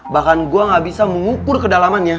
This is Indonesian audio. bahkan gue nggak bisa mengukur kedalamannya